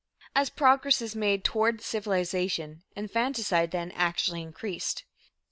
As progress is made toward civilization, infanticide, then, actually increased.